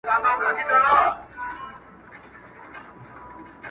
• د کتاب لوستل انسان ته د ستونزو د حل نوې لارې ور -